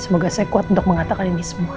semoga saya kuat untuk mengatakan ini semua